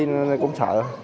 nên cũng sợ